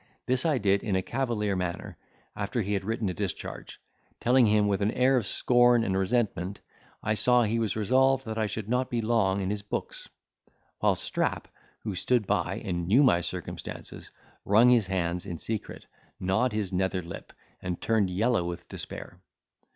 This I did in a cavalier manner, after he had written a discharge, telling him with an air of scorn and resentment, I saw he was resolved that I should not be long in his books; while Strap, who stood by, and knew my circumstances, wrung his hands in secret, gnawed his nether lip, and turned yellow with despair.